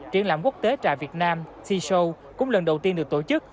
triển lãm quốc tế trà việt nam t show cũng lần đầu tiên được tổ chức